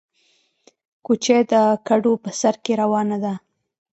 کوچۍ د کډو په سر کې روانه ده